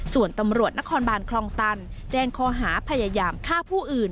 ส่วนตำรวจนครบานคลองตันแจ้งข้อหาพยายามฆ่าผู้อื่น